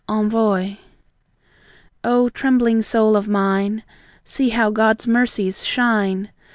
ENVOY. O trembling soul of mine, See how God's mercies shine!